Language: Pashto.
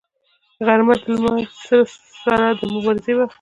غرمه د لمر سره د مبارزې وخت دی